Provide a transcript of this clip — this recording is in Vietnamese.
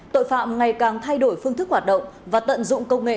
tội phạm ngày càng thay đổi phương thức hoạt động và tận dụng công nghệ